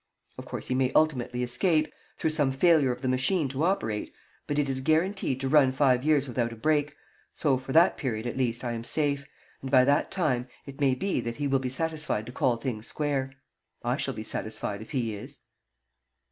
Of course he may ultimately escape, through some failure of the machine to operate, but it is guaranteed to run five years without a break, so for that period at least I am safe, and by that time it may be that he will be satisfied to call things square. I shall be satisfied if he is.